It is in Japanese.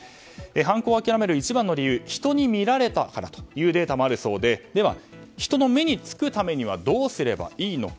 犯行を諦める一番の理由人に見られたからというデータもあるそうででは、人の目につくためにはどうすればいいのか。